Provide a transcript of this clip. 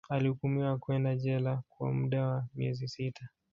Alihukumiwa kwenda jela kwa muda wa miezi sita